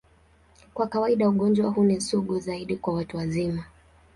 Kwa kawaida, ugonjwa huu ni sugu zaidi kwa watu wazima.